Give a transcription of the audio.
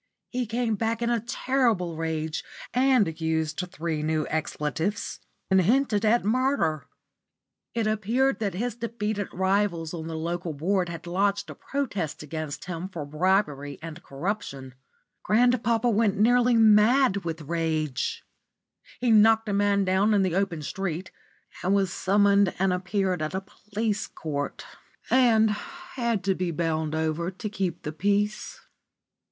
He came back in a terrible rage, and used three new expletives, and hinted at murder. It appeared that his defeated rivals on the Local Board had lodged a protest against him for bribery and corruption. Grandpapa nearly went mad with rage. He knocked a man down in the open street, and was summoned and appeared at a police court, and had to be bound over to keep the peace.